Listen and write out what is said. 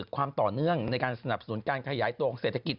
ความต่อเนื่องในการสนับสนุนการขยายตัวของเศรษฐกิจ